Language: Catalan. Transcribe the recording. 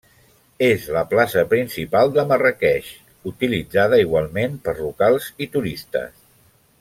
És la plaça principal de Marràqueix, utilitzada igualment per locals i turistes.